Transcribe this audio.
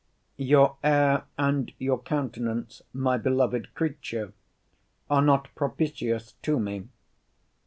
Your air, and your countenance, my beloved creature, are not propitious to me.